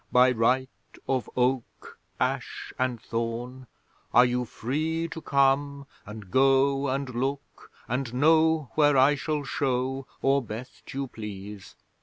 'By right of Oak, Ash, and Thorn are you free to come and go and look and know where I shall show or best you please.